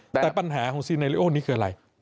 แต่ปัญหาของซีไนริโอนี้คืออะไร